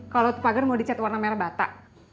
kalau itu pagar mau dicat warna merah bata